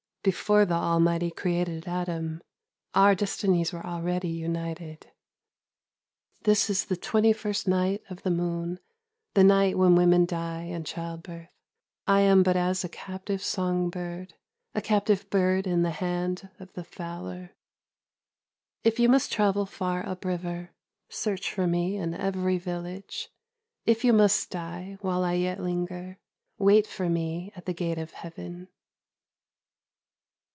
Before the Almighty created Adam, Our destinies were already united. This is the twenty first night of the moon, The night when women die in child birth. I am but as a captive song bird, A captive bird in the hand of the fowler. If you must travel far up river, Search for me in every village; If you must die, while I yet linger, Wait for me at the Gate of Heaven."